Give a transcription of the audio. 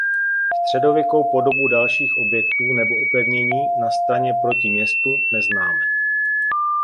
Středověkou podobu dalších objektů nebo opevnění na straně proti městu neznáme.